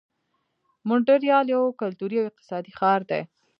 مونټریال یو کلتوري او اقتصادي ښار دی.